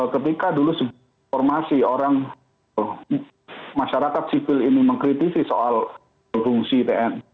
ketika dulu sebuah formasi orang masyarakat sipil ini mengkritisi soal fungsi tni